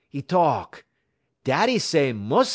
'E talk: "'Daddy say mus'n'.'